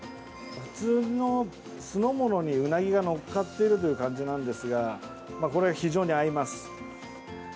普通の酢の物にウナギが載っかっているという感じなんですがこれが非常に合います。